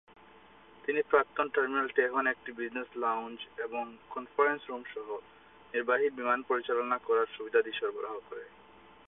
প্রাক্তন টার্মিনালটি এখন একটি বিজনেস লাউঞ্জ এবং কনফারেন্স রুম সহ নির্বাহী বিমান পরিচালনা করার সুবিধাদি সরবরাহ করে।